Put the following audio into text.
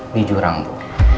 di jurang bu